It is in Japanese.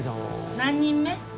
何人目？